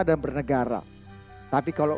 dan bernegara tapi kalau